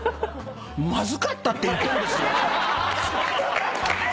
まずかったって言ってるんですよ！？